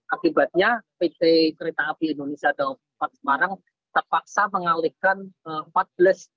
akibatnya pt kereta api indonesia tawang semarang terpaksa mengalihkan empat belas kereta